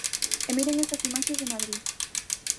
E miren estas imaxes de Madrid...